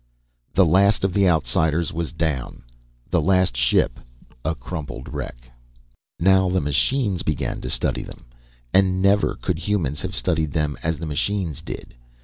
The last of the Outsiders was down, the last ship a crumpled wreck. Now the machines began to study them. And never could humans have studied them as the machines did.